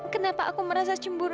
kenapa aku merasa cemburu